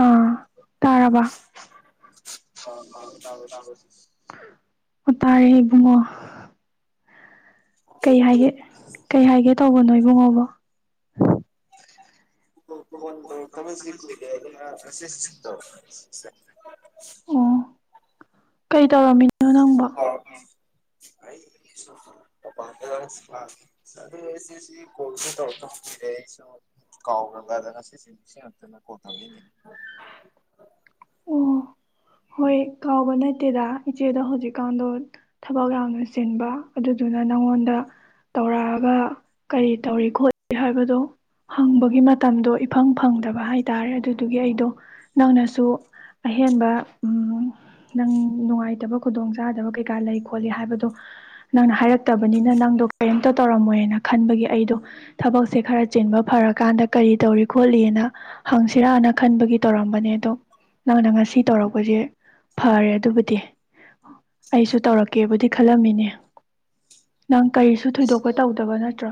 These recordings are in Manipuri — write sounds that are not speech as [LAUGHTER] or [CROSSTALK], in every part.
ꯑꯥ ꯇꯥꯔꯕ ꯑ ꯐꯂꯣ ꯇꯥꯕ꯭ꯔꯣ ꯁꯤꯁꯇ ꯑꯣ ꯇꯌꯦ ꯏꯕꯨꯡꯉꯣ ꯀꯩ ꯍꯥꯏꯒꯦ ꯀꯩ ꯍꯥꯏꯒꯦ ꯇꯧꯕꯅꯣ ꯏꯕꯨꯡꯉꯣꯕꯣ ꯐꯣꯟ ꯇꯧꯔꯛꯇꯕꯁꯤ ꯀꯨꯏꯔꯦ ꯑꯗꯨꯅ ꯃꯦꯁꯦꯁ ꯇꯧꯔ ꯆ ꯑꯣ ꯀꯩ ꯇꯧꯔꯝꯃꯤ ꯅꯣ ꯅꯪꯕꯣ ꯑꯩꯒꯤꯁꯨ ꯃꯄꯥꯟꯗ ꯁ ꯑꯗꯨ ꯏꯆꯦꯁꯤ ꯀꯣꯜꯁꯨ ꯇꯧꯔꯛꯇꯕ ꯀꯨꯏꯔꯦ ꯁꯨꯝ ꯀꯥꯎꯒ꯭ꯔꯕꯅ ꯉꯁꯤꯁꯦ ꯅꯤꯡꯁꯤꯡꯉꯛꯇꯅ ꯀꯣꯜ ꯇꯧꯔꯛꯏꯅꯤ ꯑꯣ ꯍꯣꯏ ꯀꯥꯎꯕ ꯅꯠꯇꯦꯗ ꯏꯆꯦꯗꯣ ꯍꯧꯖꯤꯛꯀꯥꯟꯗꯣ ꯊꯕꯛ ꯌꯥꯝꯅ ꯆꯤꯟꯕ ꯑꯗꯨꯗꯨꯅ ꯅꯪꯉꯣꯟꯗ ꯇꯧꯔꯛꯑꯒ ꯀꯔꯤ ꯇꯧꯔꯤ ꯈꯣꯠꯂꯤ ꯍꯥꯏꯕꯗꯣ ꯍꯪꯕꯒꯤ ꯃꯇꯝꯗꯣ ꯏꯐꯪ ꯐꯪꯗꯕ ꯍꯥꯏ ꯇꯔꯦ ꯑꯗꯨꯗꯨꯒꯤ ꯑꯩꯗꯣ ꯅꯪꯅꯁꯨ ꯑꯍꯦꯟꯕ ꯎꯝ ꯅꯪ ꯅꯨꯡꯉꯥꯏꯇꯕ ꯈꯨꯗꯣꯡꯆꯥꯥꯗꯕ ꯀꯩꯀꯥ ꯂꯩ ꯈꯣꯠꯂꯤ ꯍꯥꯏꯕꯗꯣ ꯅꯪꯅ ꯍꯥꯏꯔꯛꯇꯕꯅꯤꯅ ꯅꯪꯗꯣ ꯀꯔꯤꯃꯇ ꯇꯧꯔꯝꯃꯣꯏꯅ ꯈꯟꯕꯒꯤ ꯑꯩꯗꯣ ꯊꯕꯛꯁꯦ ꯈꯔ ꯆꯤꯟꯕ ꯐꯔꯀꯥꯟꯗ ꯀꯔꯤ ꯇꯧꯔꯤ ꯈꯣꯠꯂꯤꯅ ꯍꯪꯁꯤꯔꯥꯅ ꯈꯟꯕꯒꯤ ꯇꯧꯔꯝꯕꯅꯦ ꯑꯗꯣ ꯅꯪꯅ ꯉꯁꯤ ꯇꯧꯔꯛꯄꯁꯦ ꯐꯔꯦ ꯑꯗꯨꯕꯨꯗꯤ ꯑꯩꯁꯨ ꯇꯧꯔꯛꯀꯦꯕꯨꯗꯤ ꯈꯜꯂꯝꯃꯤꯅꯦ ꯅꯪ ꯀꯔꯤꯁꯨ ꯊꯣꯏꯗꯣꯛꯄ ꯇꯧꯗꯕ ꯅꯠꯇ꯭ꯔꯣ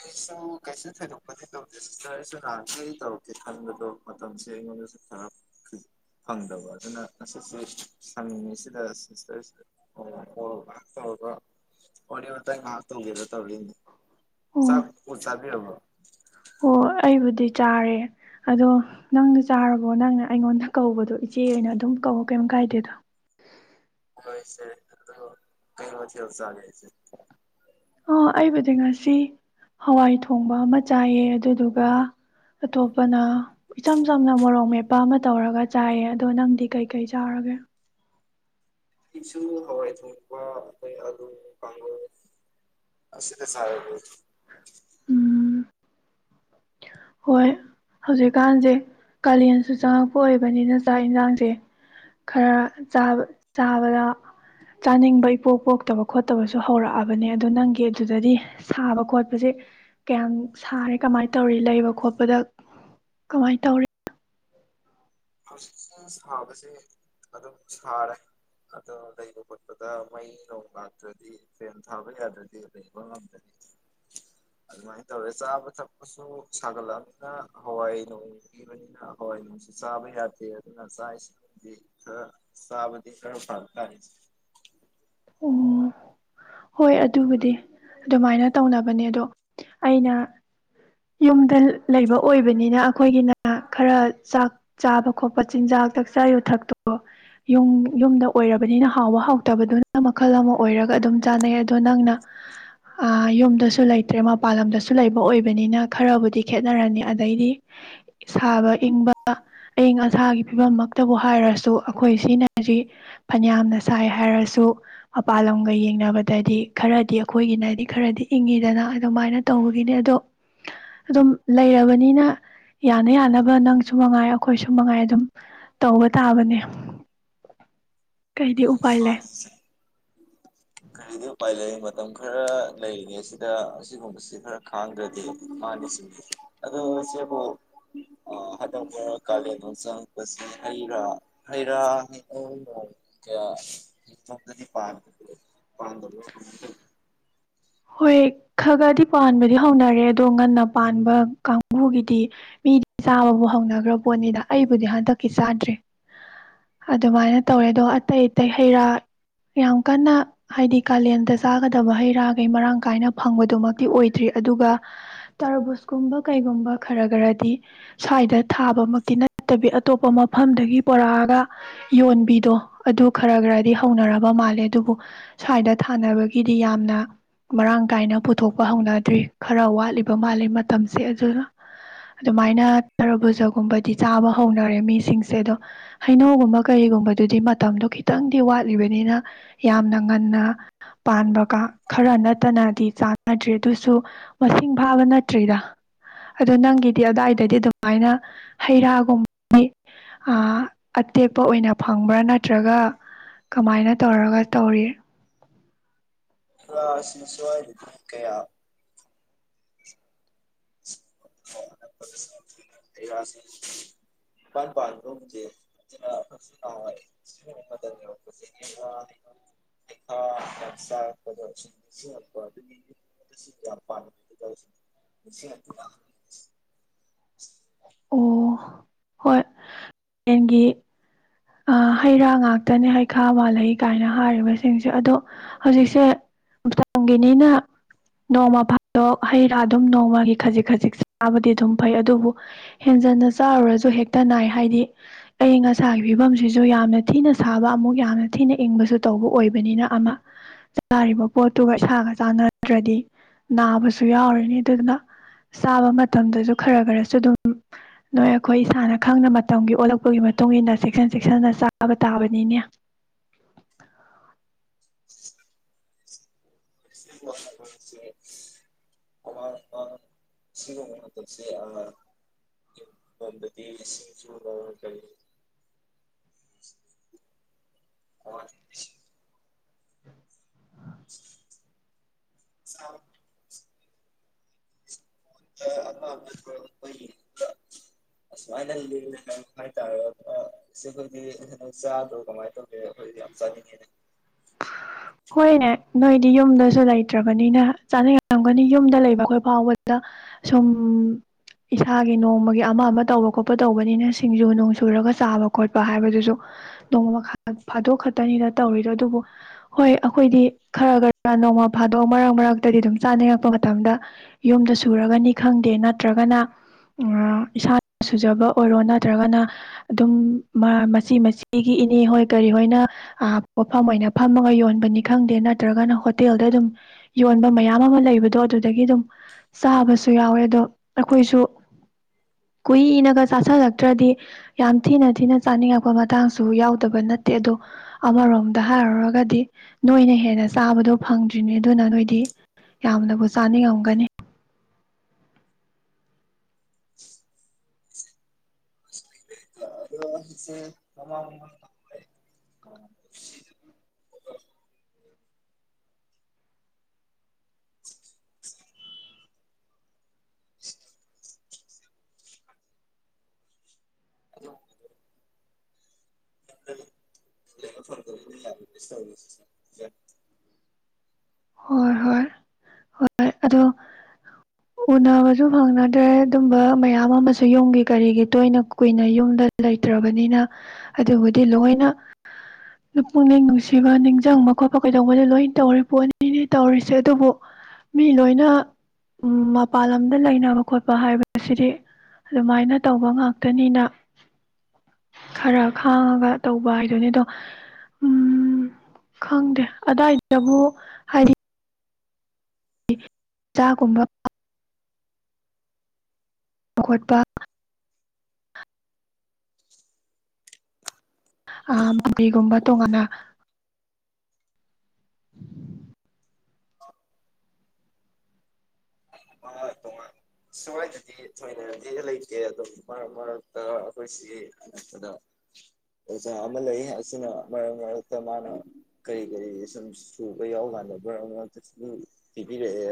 ꯑꯩ ꯀꯩꯁꯨ ꯊꯗꯣꯛꯄꯗꯤ ꯇꯧꯗꯦ ꯁꯤꯁꯇꯔꯁꯨ ꯅꯍꯥꯟ ꯀꯩ ꯇꯧꯔꯛꯀꯦ ꯈꯟꯕꯗꯣ ꯃꯇꯝꯁꯦ ꯑꯩꯉꯣꯟꯗꯁꯨ ꯈꯔ ꯐꯪꯗꯕ ꯑꯗꯨꯅ ꯉꯁꯤꯁꯦ ꯁꯪꯉꯤꯁꯤꯗ ꯁꯤꯁꯇꯔꯁꯤꯗ ꯉꯥꯏꯍꯥꯛ ꯇꯧꯔꯒ ꯋꯥꯔꯤ ꯋꯥꯇꯥꯏ ꯉꯥꯏꯍꯥꯛ ꯇꯧꯒꯦꯕ ꯇꯧꯔꯤꯅꯦ ꯑꯣ ꯆꯥꯛꯄꯨ ꯆꯕꯤꯔꯕꯔꯣ ꯑꯣ ꯑꯩꯕꯨꯗꯤ ꯆꯥꯔꯦ ꯑꯗꯣ ꯅꯪꯅ ꯆꯥꯔꯕꯣ ꯅꯪꯅ ꯑꯩꯉꯣꯟꯗ ꯀꯧꯕꯗꯣ ꯏꯆꯦ ꯑꯣꯏꯅ ꯑꯗꯨꯝ ꯀꯧ ꯀꯩꯝ ꯀꯥꯏꯗꯦꯗꯣ ꯍꯣꯌ ꯏꯆꯥ ꯑꯗꯣ ꯀꯩ ꯃꯊꯦꯜ ꯆꯥꯒꯦ ꯑ ꯑꯩꯕꯨꯗꯤ ꯉꯁꯤ ꯍꯋꯥꯏ ꯊꯣꯡꯕ ꯑꯃ ꯆꯥꯏꯑ ꯑꯗꯨꯗꯨꯒ ꯑꯇꯣꯞꯄꯅ ꯏꯆꯝ ꯆꯝꯅ ꯃꯣꯔꯣꯛ ꯃꯦꯠꯄ ꯑꯃ ꯇꯧꯔꯒ ꯆꯥꯏꯑ ꯑꯗꯣ ꯅꯪꯗꯤ ꯀꯩꯀꯩ ꯆꯥꯔꯒꯦ ꯑꯩꯁꯨ ꯍꯋꯥꯏ ꯊꯣꯡꯄ ꯑꯩꯈꯣꯏ ꯑꯂꯨ ꯄꯥꯡ ꯑꯁꯤꯗ ꯁꯥꯔꯦ ꯎꯝ ꯍꯣꯏ ꯍꯧꯖꯤꯛꯀꯥꯟꯁꯦ ꯀꯥꯂꯦꯟꯁꯨ ꯆꯪꯉꯛꯄ ꯑꯣꯏꯕꯅꯤꯅ ꯆꯥꯛ ꯌꯦꯟꯁꯥꯡꯁꯦ ꯈꯔ ꯆꯥꯕꯗ ꯆꯥꯅꯤꯡꯕ ꯏꯄꯣꯛ ꯄꯣꯛꯇꯕ ꯈꯣꯠꯇꯕꯁꯨ ꯍꯧꯔꯛꯑꯕꯅꯦ ꯑꯗꯨꯗꯣ ꯅꯪꯒꯤ ꯑꯗꯨꯗꯗꯤ ꯁꯥꯕ ꯈꯣꯠꯄꯁꯦ ꯀꯌꯥꯝ ꯁꯥꯔꯤꯦ ꯀꯃꯥꯏꯅ ꯇꯧꯔꯤ ꯂꯩꯕ ꯈꯣꯠꯄꯗ ꯀꯃꯥꯏ ꯇꯧꯔꯤ ꯍꯧꯖꯤꯛ ꯁꯥꯕꯁꯦ ꯑꯗꯨꯝ ꯁꯥꯔꯦ ꯑꯗꯣ ꯂꯩꯕ ꯈꯣꯠꯄꯗ ꯃꯩ ꯅꯣꯡ ꯂꯥꯛꯇ꯭ꯔꯗꯤ ꯐꯦꯟ ꯊꯥꯕ ꯌꯥꯗ꯭ꯔꯗꯤ ꯂꯩꯕ ꯉꯝꯗꯦ ꯑꯗꯨꯃꯥꯏꯅ ꯇꯧꯔꯦ ꯆꯥꯕ ꯊꯛꯄꯁꯨ ꯁꯥꯒꯠꯂꯛꯑꯅꯤꯅ ꯍꯋꯥꯏ ꯅꯣꯡ ꯄꯤꯕꯅꯤꯅ ꯍꯋꯥꯏ ꯅꯨꯡꯁꯤ ꯆꯥꯕꯥ ꯌꯥꯗꯦ ꯑꯗꯨꯅꯥ ꯆꯥꯛ ꯑꯦꯁꯤꯪꯁꯦ ꯈꯔꯥ ꯆꯥꯕꯥ ꯐꯕꯥꯖꯠꯅꯤ ꯎꯝ ꯍꯣꯏ ꯑꯗꯨꯕꯨꯗꯤ ꯑꯗꯨꯃꯥꯏꯅ ꯇꯧꯅꯕꯅꯦ ꯑꯗꯣ ꯑꯩꯅ ꯌꯨꯝꯗ ꯂꯩꯕ ꯑꯣꯏꯕꯅꯤꯅ ꯑꯩꯈꯣꯏꯒꯤꯅ ꯈꯔ ꯆꯥꯛ ꯆꯥꯕ ꯈꯣꯠꯄ ꯆꯤꯟꯖꯥꯛ ꯆꯥꯛꯆꯥ ꯌꯨꯊꯛꯇꯣ ꯌꯨꯝ ꯌꯨꯝꯗ ꯑꯣꯏꯔꯕꯅꯤꯅ ꯍꯥꯎꯕ ꯍꯥꯎꯇꯕꯗꯨꯅ ꯃꯈꯜ ꯑꯃ ꯑꯣꯏꯔꯒ ꯑꯗꯨꯝ ꯆꯥꯟꯅꯩ ꯑꯗꯣ ꯅꯪꯅ ꯌꯨꯝꯗꯁꯨ ꯂꯩꯇ꯭ꯔꯦ ꯃꯄꯥꯟ ꯂꯝꯗꯁꯨ ꯂꯩꯕ ꯑꯣꯏꯕꯅꯤꯅ ꯈꯔꯕꯨꯗꯤ ꯈꯦꯠꯅꯔꯅꯤ ꯑꯗꯩꯗꯤ ꯁꯥꯕ ꯏꯪꯕ ꯑꯏꯪ ꯑꯁꯥꯒꯤ ꯐꯤꯕꯝꯃꯛꯇꯕꯨ ꯍꯥꯏꯔꯁꯨ ꯑꯩꯈꯣꯏ ꯁꯤꯅꯖꯤ ꯐꯅꯌꯥꯝꯅ ꯁꯥꯏ ꯍꯥꯏꯔꯁꯨ ꯃꯄꯥꯟ ꯂꯝꯒ ꯌꯦꯡꯅꯕ ꯗꯗꯤ ꯈꯔꯗꯤ ꯑꯩꯈꯣꯏꯒꯤꯅ ꯍꯥꯏꯗꯤ ꯈꯔꯗꯤ ꯏꯪꯉꯤꯗꯅ ꯑꯗꯨꯃꯥꯏꯅ ꯇꯧꯕꯒꯤꯅꯦ ꯑꯗꯣ ꯑꯗꯨꯝ ꯂꯩꯔꯕꯅꯤꯅ ꯌꯥꯅ ꯌꯥꯅꯕ ꯅꯪꯁꯨ ꯃꯉꯥꯏ ꯑꯩꯈꯣꯏꯁꯨ ꯃꯉꯥꯏ ꯑꯗꯨꯝ ꯇꯧꯕ ꯇꯥꯕꯅꯦ ꯀꯩꯗꯤ ꯎꯄꯥꯌ ꯂꯩ ꯃꯥꯅꯤ ꯏꯆꯦ ꯀꯔꯤꯗꯤ ꯎꯄꯥꯏ ꯂꯩꯔꯤ ꯃꯇꯝ ꯈꯔ ꯂꯩꯔꯤꯉꯦ ꯁꯤꯗ ꯑꯁꯤꯒꯨꯝꯕꯁꯤ ꯈꯔ ꯈꯥꯡꯗ꯭ꯔꯗꯤ ꯃꯥꯗꯤ ꯆꯁ ꯑꯗꯣ ꯏꯆꯦꯕꯨ ꯍꯗꯛ ꯈꯔ ꯀꯥꯂꯦꯟꯗꯣ ꯆꯪꯉꯛꯄꯁꯤ ꯍꯩꯔꯥ ꯍꯩꯔꯥ [UNINTELLIGIBLE] ꯍꯗꯤ ꯄꯥꯡ ꯄꯥꯟ ꯍꯣꯏ ꯈ ꯈꯗꯤ ꯄꯥꯟꯕꯗꯤ ꯍꯧꯅꯔꯦ ꯑꯗꯣ ꯉꯟꯅ ꯄꯥꯟꯕ ꯀꯥꯡꯕꯨꯒꯤꯗꯤ ꯃꯤꯗꯤ ꯆꯥꯕꯕꯨ ꯍꯧꯅꯈ꯭ꯔ ꯄꯣꯠꯅꯤꯗ ꯑꯩꯕꯨꯗꯤ ꯍꯟꯗꯛꯀꯤ ꯆꯥꯗ꯭ꯔꯔꯤ ꯑꯗꯨꯃꯥꯏꯅ ꯇꯧꯋꯦ ꯑꯗꯣ ꯑꯇꯩ ꯑꯇꯩ ꯍꯩꯔꯥ ꯌꯥꯝ ꯀꯟꯅ ꯍꯥꯏꯗꯤ ꯀꯥꯂꯦꯟꯗ ꯆꯥꯒꯗꯕ ꯍꯩꯔꯥ ꯃꯔꯥꯡ ꯀꯥꯏꯅ ꯐꯪꯕꯗꯨꯃꯛꯇꯤ ꯑꯣꯏꯗ꯭ꯔꯤ ꯑꯗꯨꯒ ꯇꯔꯕꯨꯁꯀꯨꯝꯕ ꯀꯩꯒꯨꯝꯕ ꯈꯔ ꯈꯔꯗꯤ ꯁ꯭ꯋꯥꯏꯗ ꯊꯥꯕꯃꯛꯇꯤ ꯅꯠꯇꯕꯤ ꯑꯇꯣꯞꯄ ꯃꯐꯝꯗꯒꯤ ꯄꯨꯣꯔꯛꯑꯒ ꯌꯣꯟꯕꯤꯗꯣ ꯑꯗꯨ ꯈꯔ ꯈꯔꯗꯤ ꯍꯧꯅꯔꯕ ꯃꯥꯜꯂꯦ ꯑꯗꯨꯕꯨ ꯁ꯭ꯋꯥꯏꯗ ꯊꯥꯅꯕꯒꯤꯗꯤ ꯌꯥꯝꯅ ꯃꯔꯥꯡ ꯀꯥꯏꯅ ꯄꯨꯊꯣꯛꯄ ꯍꯧꯅꯗ꯭ꯔꯤ ꯈꯔ ꯋꯥꯠꯂꯤꯕ ꯃꯥꯜꯂꯤ ꯃꯇꯝꯁꯦ ꯑꯗꯨꯅ ꯑꯗꯨꯃꯥꯏꯅ ꯇꯔꯕꯨꯖꯒꯨꯝꯕꯗꯤ ꯆꯥꯕ ꯍꯧꯅꯔꯦ ꯃꯤꯁꯤꯡꯁꯦ ꯑꯗꯣ ꯍꯩꯅꯧꯒꯨꯝꯕ ꯀꯔꯤꯒꯨꯝꯕꯗꯨꯗꯤ ꯃꯇꯝꯗꯣ ꯈꯤꯇꯪꯗꯤ ꯋꯥꯠꯂꯤ ꯈꯔ ꯅꯠꯇꯅꯗꯤ ꯆꯥꯟꯅꯗ꯭ꯔꯤ ꯑꯗꯨꯁꯨ ꯃꯁꯤꯡ ꯐꯥꯕ ꯅꯠꯇ꯭ꯔꯤꯗ ꯑꯗꯣ ꯅꯪꯒꯤꯗꯤ ꯑꯗꯨꯋꯥꯏꯗꯗꯤ ꯑꯗꯨꯃꯥꯏꯅ ꯍꯩ ꯔꯥꯒꯨꯝꯕꯗꯤ ꯑꯇꯦꯛꯞꯄ ꯑꯣꯏꯅ ꯐꯪꯕ꯭ꯔꯥ ꯅꯠꯇ꯭ꯔꯒ ꯀꯃꯥꯏꯅ ꯇꯧꯔꯒ ꯇꯧꯔꯤ꯫ [UNINTELLIGIBLE] ꯐ ꯑꯁꯤꯅ ꯁꯋꯥꯅ ꯀꯌꯥ [UNINTELLIGIBLE] [UNINTELLIGIBLE] [INAUDIBLE] ꯑꯣ ꯍꯣꯏ ꯍꯦꯟꯒꯤ ꯍꯩꯔꯥ ꯉꯥꯛꯇꯅꯦ ꯍꯩꯈꯥ ꯃꯥꯜꯍꯩ ꯀꯥꯏꯅ ꯍꯥꯏꯔꯤꯕꯁꯤꯡꯁꯦ ꯑꯗꯣ ꯍꯧꯖꯤꯛꯁꯦ ꯍꯦꯟꯖꯟꯅ ꯆꯥꯔꯨꯔꯁꯨ ꯍꯦꯛꯇ ꯅꯥꯏ ꯍꯥꯏꯗꯤ ꯑꯏꯪ ꯑꯁꯥꯒꯤ ꯐꯤꯕꯝꯁꯤꯁꯨ ꯌꯥꯝꯅ ꯊꯤꯅ ꯁꯥꯕ ꯑꯃꯨꯛ ꯌꯥꯝꯅ ꯊꯤꯅ ꯏꯪꯕꯁꯨ ꯇꯧꯕ ꯑꯣꯏꯕꯅꯤꯅ ꯑꯃ ꯆꯥꯔꯤꯕ ꯄꯣꯠꯇꯨꯒ ꯏꯁꯥꯒ ꯆꯥꯟꯅꯗ꯭ꯔꯗꯤ ꯅꯥꯕꯁꯨ ꯌꯥꯎꯔꯅꯤ ꯑꯗꯨꯅ ꯆꯥꯕ ꯃꯇꯝꯗꯁꯨ ꯈꯔ ꯈꯔ ꯁꯨ ꯑꯗꯨꯝ ꯅꯣꯏ ꯑꯩꯈꯣꯏ ꯏꯁꯥꯅ ꯈꯪꯅ ꯃꯇꯝꯒꯤ ꯑꯣꯜꯂꯛꯄꯒꯤ ꯃꯇꯨꯡ ꯏ ꯃꯇꯨꯡꯏꯟꯅ ꯆꯦꯛꯁꯤꯟ ꯆꯦꯛꯁꯤꯟꯅ ꯆꯥꯕ ꯇꯥꯕꯅꯤꯅꯦ꯫ [INAUDIBLE] [UNINTELLIGIBLE] [UNINTELLIGIBLE] ꯑ [UNINTELLIGIBLE] [UNINTELLIGIBLE] ꯍꯣꯏꯅꯦ ꯅꯣꯏꯗꯤ ꯌꯨꯝꯗꯁꯨ ꯂꯩꯇ꯭ꯔꯕꯅꯤꯅ ꯆꯥꯅꯔꯝꯒꯅꯤ ꯌꯨꯝꯗ ꯂꯩꯕ ꯑꯩꯈꯣꯏ ꯐꯥꯎꯕꯗ ꯁꯨꯝ ꯏꯁꯥꯒꯤ ꯅꯣꯡꯃꯒꯤ ꯑꯃ ꯑꯃ ꯇꯧꯕ ꯈꯣꯠꯄ ꯇꯧꯕꯅꯤꯅ ꯁꯤꯡꯖꯨ ꯅꯣꯡ ꯁꯨꯔꯒ ꯆꯥꯕ ꯈꯣꯠꯄ ꯍꯥꯏꯕꯁꯨ ꯍꯣꯏ ꯑꯩꯈꯣꯏꯗꯤ ꯈꯔ ꯈꯔ ꯅꯣꯡꯃ ꯐꯥꯗꯣꯛ ꯃꯔꯛ ꯃꯔꯛꯇꯗꯤ ꯑꯗꯨꯝ ꯆꯥꯅꯔꯛꯄ ꯃꯇꯝꯗ ꯌꯨꯝꯗ ꯁꯨꯔꯒꯅꯤ ꯈꯪꯗꯦ ꯅꯠꯇ꯭ꯔꯒꯅ ꯏꯁꯥꯅ ꯁꯨꯖꯕ ꯑꯣꯏꯔꯣ ꯅꯠꯇ꯭ꯔꯒꯅ ꯑꯗꯨꯝ ꯃꯆꯤ ꯃꯆꯤꯒꯤ ꯏꯅꯦ ꯍꯣꯏ ꯀꯔꯤ ꯍꯣꯏꯅ ꯄꯣꯐꯝ ꯑꯣꯏꯅ ꯐꯝ ꯌꯣꯟꯕꯅꯤ ꯈꯪꯗꯦ ꯅꯠꯇ꯭ꯔꯒꯅ ꯍꯣꯇꯦꯜꯗ ꯑꯗꯨꯝ ꯌꯣꯟꯕ ꯃꯌꯥꯝ ꯑꯃ ꯂꯩꯕꯗꯣ ꯑꯗꯨꯗꯒꯤ ꯑꯗꯨꯝ ꯆꯥꯕꯁꯨ ꯌꯥꯎꯋꯦ ꯑꯗꯣ ꯑꯩꯈꯣꯏꯁꯨ ꯀꯨꯏꯅꯒ ꯆꯥꯥꯁꯜꯂꯛꯇ꯭ꯔꯗꯤ ꯌꯥꯝ ꯊꯤꯅ ꯊꯤꯅ ꯆꯥꯅꯤꯡꯉꯛꯄ ꯃꯇꯥꯡꯁꯨ ꯌꯥꯎꯗꯕ ꯅꯠ ꯅꯣꯏꯅ ꯍꯦꯟꯅ ꯆꯥꯕꯗꯣ ꯐꯪꯗ꯭ꯔꯤꯅꯦ ꯑꯗꯨꯅ ꯅꯣꯏꯗꯤ ꯌꯥꯝꯅꯕꯨ ꯆꯥꯅꯤꯡꯉꯝꯒꯅꯤ꯫ [UNINTELLIGIBLE] ꯁꯦ ꯃꯃ ꯃꯃ [UNINTELLIGIBLE] [UNINTELLIGIBLE] ꯍꯣꯏ ꯍꯣꯏ ꯍꯣꯏ ꯍꯣꯏ ꯑꯗꯨꯣ ꯎꯅꯕꯁꯨ ꯐꯪꯅꯗ꯭ꯔꯦ ꯑꯗꯨꯝꯕ ꯃꯌꯥꯝ ꯑꯃꯁꯨ ꯌꯨꯝꯒꯤ ꯀꯔꯤꯒꯤ ꯇꯣꯏꯅ ꯀꯨꯏꯅ ꯌꯨꯝꯗ ꯂꯩꯇ꯭ꯔꯕꯅꯤꯅ ꯑꯗꯨꯕꯨꯗꯤ ꯂꯣꯏꯅ ꯄꯨꯛꯅꯤꯡ ꯅꯨꯡꯁꯤꯕ ꯅꯤꯡꯁꯤꯡꯕ ꯈꯣꯠꯄ ꯀꯩꯗꯧꯕꯗꯣ ꯂꯣꯏꯅ ꯇꯧꯔꯤ ꯄꯣꯠꯅꯤꯅꯤ ꯇꯧꯔꯤꯁꯦ ꯑꯗꯨꯕꯨ ꯃꯤ ꯂꯣꯏꯅ ꯎꯝ ꯃꯄꯥꯟ ꯂꯝꯗ ꯂꯩꯅꯕ ꯈꯣꯠꯄ ꯍꯥꯏꯕꯁꯤꯗꯤ ꯑꯗꯨꯃꯥꯏꯅ ꯇꯧꯕ ꯉꯥꯛꯇꯅꯤꯅ ꯈꯔ ꯈꯥꯡꯉꯒ ꯇꯧꯕ ꯍꯥꯏꯗꯨꯅꯤ ꯑꯗꯣ ꯎꯝ ꯈꯪꯗꯦ ꯑꯗꯨꯗꯥꯏꯗꯕꯨ ꯍꯥꯏꯗꯤ [UNINTELLIGIBLE] ꯆꯥꯒꯨꯝꯕ [UNINTELLIGIBLE] ꯆꯥ ꯈꯣꯠꯄ ꯑ [UNINTELLIGIBLE] ꯄꯤꯒꯨꯝꯕ ꯇꯣꯉꯥꯟꯅ [INAUDIBLE] ꯑ ꯇꯣꯉꯥꯟ ꯁ꯭ꯋꯥꯏꯗꯗꯤ ꯊꯣꯏꯅꯗꯤ ꯂꯩꯇꯦ ꯑꯗꯨꯝ ꯃꯔꯛ ꯃꯔꯛꯇ ꯑꯩꯈꯣꯏꯁꯤꯒꯤ ꯅꯄꯗ ꯑꯣꯖꯥ ꯑꯃ ꯂꯩ ꯑꯁꯤꯅ ꯃꯔꯛ ꯃꯔꯛꯇ ꯃꯥꯅ ꯀꯔꯤ ꯀꯔꯤ ꯁꯨꯝ ꯁꯨꯕ ꯌꯥꯎ ꯀꯥꯟꯗ ꯕꯔ ꯑꯃ ꯄꯤꯕꯤꯔꯛꯑꯦ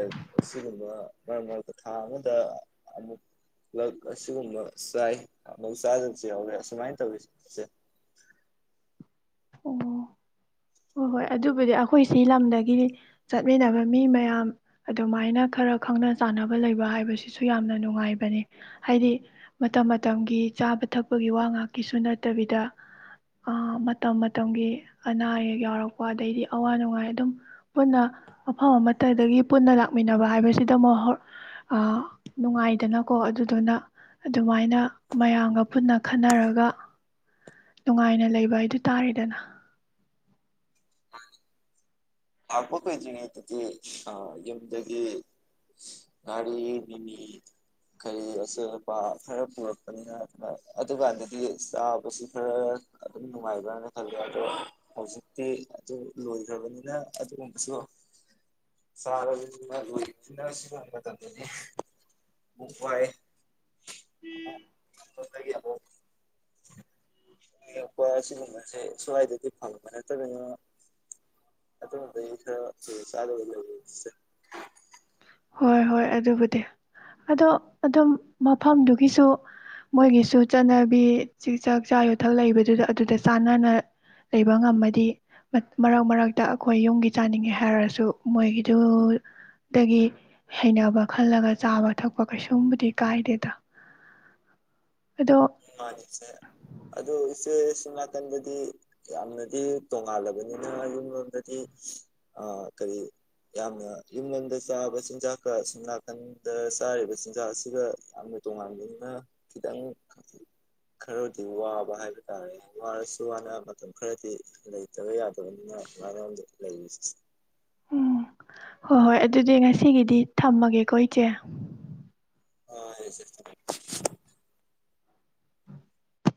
ꯁꯤꯒꯨꯝ ꯕ ꯃꯔꯛ ꯃꯔꯛꯇ ꯊꯥ ꯑꯃꯗ ꯑꯃꯨꯛ ꯂꯛ ꯑꯁꯤꯒꯨꯝꯕ ꯆꯥꯏ ꯑꯃꯨꯛ ꯆꯥꯗꯕꯁꯨ ꯌꯥꯎꯔꯦ ꯑꯁꯨꯃꯥꯏꯅ ꯇꯧꯋꯦ ꯁꯦ ꯑꯣ ꯍꯣꯏ ꯍꯣꯏ ꯑꯗꯨꯕꯨꯗꯤ ꯑꯩꯈꯣꯏ ꯁꯤ ꯂꯝꯗꯒꯤꯗꯤ ꯆꯠꯃꯤꯟꯅꯕ ꯃꯤ ꯃꯌꯥꯝ ꯑꯗꯨꯃꯥꯏꯅ ꯈꯔ ꯈꯪꯅ ꯆꯥꯟꯅꯕ ꯂꯩꯕ ꯍꯥꯏꯕꯁꯤꯁꯨ ꯌꯥꯝꯅ ꯅꯨꯡꯉꯥꯏꯕꯅꯤ ꯍꯥꯏꯗꯤ ꯃꯇꯝ ꯃꯇꯝꯒꯤ ꯆꯥꯕ ꯊꯛꯄꯒꯤ ꯋꯥ ꯉꯥꯛꯀꯤꯁꯨ ꯅꯠꯇꯕꯤꯗ ꯑ ꯃꯇꯝ ꯃꯇꯝꯒꯤ ꯑꯅꯥ ꯑꯌꯦꯛ ꯌꯥꯎꯔꯛꯄ ꯑꯗꯩꯗꯤ ꯑꯋꯥ ꯅꯨꯡꯉꯥꯏ ꯑꯗꯨꯝ ꯄꯨꯟꯅ ꯃꯐꯝ ꯑꯃꯠꯇꯗꯒꯤ ꯄꯨꯟꯅ ꯂꯥꯛꯃꯤꯟꯅꯕ ꯍꯥꯏꯕꯁꯤꯗ ꯃꯛ ꯍꯣ ꯅꯨꯡꯉꯥꯏꯗꯅꯀꯣ ꯑꯗꯨꯗꯨꯅ ꯑꯗꯨꯃꯥꯏꯅ ꯃꯌꯥꯝꯒ ꯄꯨꯟꯅ ꯈꯟꯅꯔꯒ ꯅꯨꯡꯉꯥꯏꯅ ꯂꯩꯕ ꯍꯥꯏꯗꯨ ꯇꯥꯔꯦꯗꯅ [UNINTELLIGIBLE] ꯂꯥꯛꯄ ꯀꯨꯏꯗ꯭ꯔꯤꯉꯩꯗꯗꯤ ꯑ ꯌꯨꯝꯗꯒꯤ ꯉꯥꯔꯤ ꯃꯤꯃꯤ ꯀꯔꯤ ꯑꯆꯣꯏ ꯑꯄꯥ ꯈꯔ ꯄꯨꯔꯛꯄꯅꯤꯅ ꯑ ꯑꯗꯨꯀꯥꯟꯗꯗꯤ ꯆꯥꯕꯁꯤ ꯈꯔ ꯑꯗꯨꯝ ꯅꯨꯡꯉꯥꯏꯕ꯭ꯔꯅ ꯈꯜꯂꯦ ꯑꯗꯣ ꯍꯧꯖꯤꯛꯇꯤ ꯑꯗꯨ ꯂꯣꯏꯈ꯭ꯔꯕꯅꯤꯅ ꯑꯗꯨꯒꯨꯝꯕꯁꯨ ꯆꯥꯕꯅ ꯂꯣꯏ ꯁꯤꯟꯅ ꯁꯤꯟꯅꯕ ꯃꯇꯝꯗꯗꯤ ꯑꯃꯨꯛ ꯋꯥꯏ꯫ ꯑ ꯁꯣꯝꯗꯒꯤ ꯑꯃꯨꯛ ꯌꯦꯄ ꯑꯁꯤꯒꯨꯝꯕꯁꯦ ꯁ꯭ꯋꯥꯏꯗꯗꯤ ꯐꯪꯕ ꯅꯠꯇꯕꯅ ꯑꯗꯨꯝꯕꯩꯗ ꯁꯤ ꯆꯥꯗꯕ ꯂꯩꯁꯦ ꯍꯣꯏ ꯍꯣꯏ ꯑꯗꯨꯕꯨꯗꯤ ꯑꯗꯣ ꯑꯗꯨꯝ ꯃꯐꯝꯗꯨꯒꯤꯁꯨ ꯃꯣꯏꯒꯤꯁꯨ ꯆꯠꯅꯕꯤ ꯆꯤ ꯆꯥꯛ ꯆꯥ ꯌꯨꯊꯛ ꯂꯩꯕꯗꯨꯗ ꯑꯗꯨꯗ ꯆꯥꯟꯅꯅ ꯂꯩꯕ ꯉꯝꯃꯗꯤ ꯃꯠ ꯃꯔꯛ ꯃꯔꯛꯇ ꯑꯩꯈꯣꯏ ꯌꯨꯝꯒꯤ ꯆꯥꯅꯤꯡꯉꯦ ꯍꯥꯏꯔꯁꯨ ꯃꯣꯏꯒꯤꯗꯨ ꯗꯒꯤ ꯍꯩꯅꯕ ꯈꯜꯂꯒ ꯆꯥꯕ ꯊꯛꯄ ꯀꯩꯁꯨꯝꯕꯨꯗꯤ ꯀꯥꯏꯗꯦꯗ ꯑꯗꯣ ꯃꯅꯤꯁꯦ ꯑꯗꯣ ꯏꯆꯦ ꯇꯨꯝ ꯅꯥꯀꯟꯗꯗꯤ ꯌꯥꯝꯅꯗꯤ ꯇꯣꯉꯥꯜꯂꯕꯅꯤꯅ ꯌꯨꯝ ꯂꯣꯝꯗꯗꯤ ꯑ ꯀꯔꯤ ꯌꯥꯝꯅ ꯌꯨꯝꯂꯣꯝꯗ ꯆꯥꯕ ꯆꯤꯟꯖꯥꯛꯀ ꯑꯁꯣꯝ ꯅꯥꯀꯟꯗ ꯆꯥꯔꯤꯕ ꯆꯤꯟꯖꯥꯛ ꯑꯁꯤꯒ ꯌꯥꯝꯅ ꯇꯣꯉꯥꯟꯕꯅꯤꯅ ꯈꯤꯇꯪ ꯈꯔꯗꯤ ꯋꯥꯕ ꯍꯥꯏꯕ ꯇꯥꯔꯦ ꯋꯥꯔꯁꯨ ꯋꯥꯅ ꯃꯇꯝ ꯈꯔꯗꯤ ꯂꯩꯇꯕ ꯌꯥꯗꯕꯅꯤꯅ ꯃꯤꯔꯝꯗ ꯂꯩꯔꯤꯁꯦ꯫ ꯎꯝ ꯍꯣꯏ ꯍꯣꯏ ꯑꯗꯨꯗꯤ ꯉꯁꯤꯒꯤꯗꯤ ꯊꯝꯃꯒꯦꯀꯣ ꯏꯆꯦ꯫ ꯑ ꯏꯆꯦ